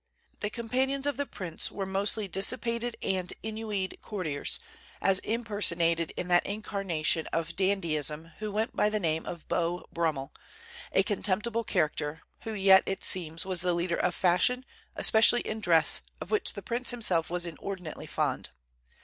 The companions of the prince were mostly dissipated and ennuied courtiers, as impersonated in that incarnation of dandyism who went by the name of Beau Brummell, a contemptible character, who yet, it seems, was the leader of fashion, especially in dress, of which the prince himself was inordinately fond.